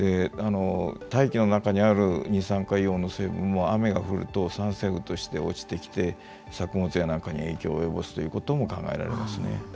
大気の中にある二酸化硫黄の成分も雨が降ると酸性雨として落ちてきて作物や何かに影響を及ぼすということも考えられますね。